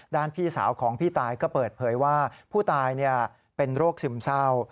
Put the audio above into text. พี่สาวของพี่ตายก็เปิดเผยว่าผู้ตายเป็นโรคซึมเศร้า